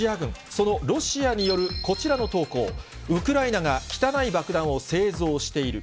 そのロシアによるこちらの投稿、ウクライナが汚い爆弾を製造している。